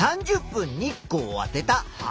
４５分日光をあてた葉。